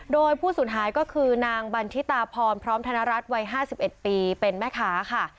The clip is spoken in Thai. โดยผู้สูญหายก็คือนางบันทิตาพรพร้อมธนรัฐวัย๕๑ปีเป็นแม่ค้าค่ะ